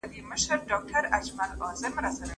د سپوږمۍ په شپه درځمه چي تیارې وي تښتېدلي